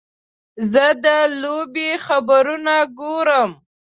زه د لوبې خبرونه ګورم.